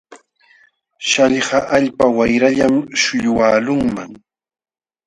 Śhllqa allpa wayrallam śhullwaqlunman.